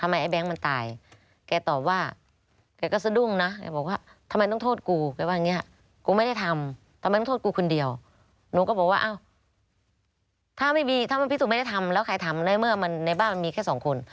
มันแม่มือกว่าในบ้านมันมีแค่๒คน